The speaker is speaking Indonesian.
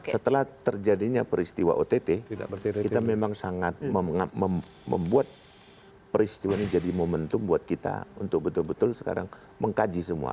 setelah terjadinya peristiwa ott kita memang sangat membuat peristiwa ini jadi momentum buat kita untuk betul betul sekarang mengkaji semua